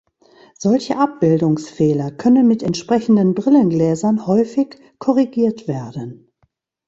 Solche Abbildungsfehler können mit entsprechenden Brillengläsern häufig korrigiert werden.